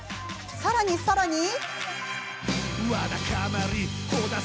さらに、さらに。